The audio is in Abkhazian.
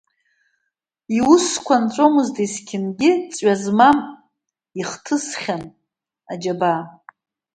Иусқәа нҵәомызт есқьынгьы, ҵҩа змам ихҭысхьан аџьабаа.